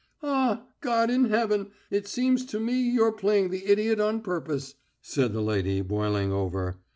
"Ah, God in heaven! It seems to me you're playing the idiot on purpose," said the lady, boiling over.